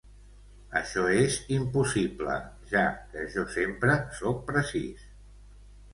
Això és impossible, ja que jo sempre sóc precís.